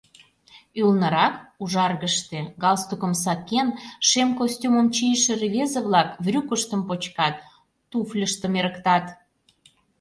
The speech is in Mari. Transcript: Ӱлнырак, ужаргыште, галстукым сакен, шем костюмым чийыше рвезе-влак брюкыштым почкат, туфльыштым эрыктат.